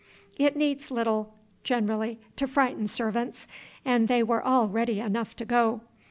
It needs little, generally, to frighten servants, and they were all ready enough to go.